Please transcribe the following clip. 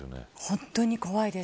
本当に怖いです。